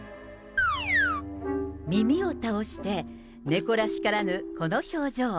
耳を倒して、猫らしからぬこの表情。